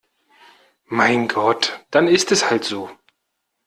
Mein Gott, dann ist es halt so!